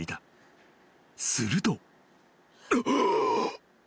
［すると］